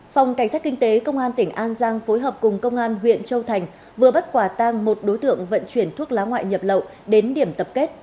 phòng cảnh sát kinh tế công an tỉnh an giang phối hợp cùng công an huyện châu thành vừa bắt quả tang một đối tượng vận chuyển thuốc lá ngoại nhập lậu đến điểm tập kết